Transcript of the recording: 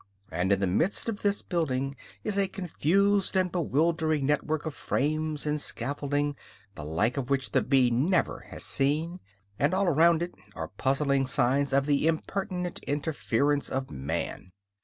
And in the midst of this building is a confused and bewildering network of frames and scaffolding, the like of which the bee never has seen; and all around it are puzzling signs of the impertinent interference of man.